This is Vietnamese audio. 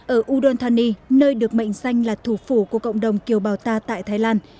ở udon thani nơi được mệnh danh là thủ phủ của cộng đồng kiều bào ta tại thái lan